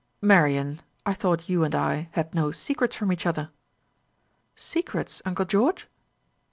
"Marian, I thought you and I had no secrets from each other?" "Secrets, uncle George!"